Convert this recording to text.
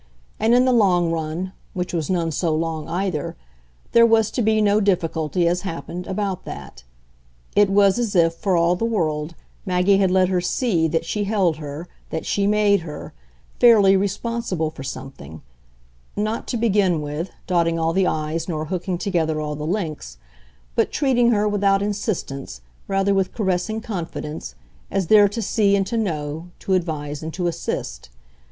And in the long run which was none so long either there was to be no difficulty, as happened, about that. It was as if, for all the world, Maggie had let her see that she held her, that she made her, fairly responsible for something; not, to begin with, dotting all the i's nor hooking together all the links, but treating her, without insistence, rather with caressing confidence, as there to see and to know, to advise and to assist.